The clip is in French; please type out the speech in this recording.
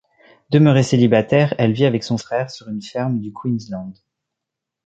Demeurée célibataire, elle vit avec son frère sur une ferme du Queensland.